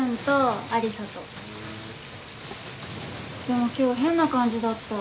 でも今日変な感じだった。